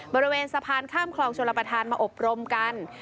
บริเวณสะพานข้ามคลองชลประธานมาอบรมกัน